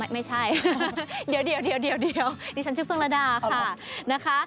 ไม่ใช่เดี๋ยวดิฉันชื่อเฟืองระดาค่ะนะคะ